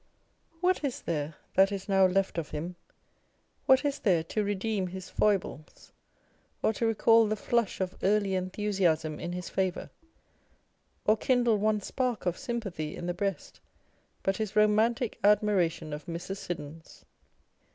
What is there that is now left of him â€" what is there to redeem his foibles or to recall the flush of early enthusiasm in his favour, or kindle one spark of sympathy in the breast, but his romantic admiration of Mrs. Siddons